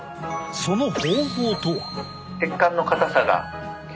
その方法とは。